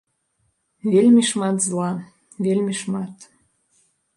Вельмі шмат зла, вельмі шмат.